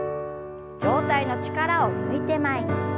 上体の力を抜いて前に。